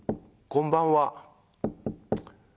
こんばんは！」。